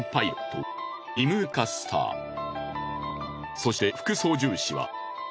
そして副操縦士は。